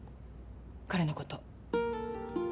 彼のこと。